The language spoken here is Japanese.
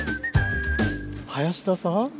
林田さん